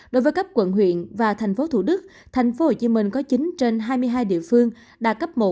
đối với cấp quận huyện và thành phố thủ đức tp hcm có chín trên hai mươi hai địa phương đạt cấp một